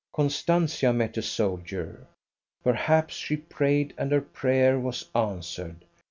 Constantia met a soldier. Perhaps she prayed and her prayer was answered.